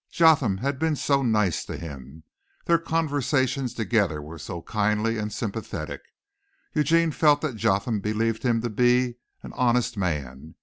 Jotham had been so nice to him. Their conversations together were so kindly and sympathetic. Eugene felt that Jotham believed him to be an honest man.